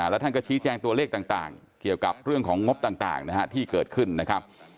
แล้วท่านก็ชี้แจงตัวเลขต่างเกี่ยวกับเรื่องของงบต่างที่เกิดขึ้นนะครับ